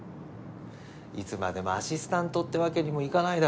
いつまでもアシスタントってわけにもいかないだろ